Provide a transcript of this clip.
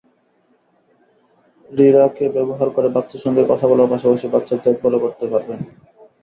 রিরাকে ব্যবহার করে বাচ্চার সঙ্গে কথা বলার পাশাপাশি, বাচ্চার দেখভালও করতে পারবেন।